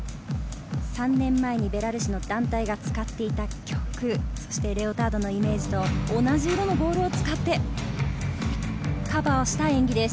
３年前にベラルーシの団体が使っていた曲、そしてレオタードのイメージと同じボールを使ってカバーした演技です。